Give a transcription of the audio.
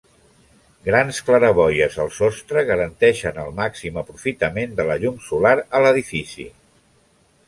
Grans claraboies al sostre garanteixen el màxim aprofitament de la llum solar a l'edifici.